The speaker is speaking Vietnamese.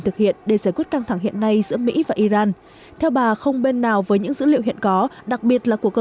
gửi đi giữa mỹ và iran theo bà không bên nào với những dữ liệu hiện có đặc biệt là của cơ